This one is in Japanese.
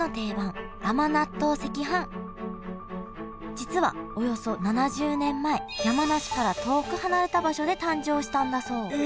実はおよそ７０年前山梨から遠く離れた場所で誕生したんだそうえ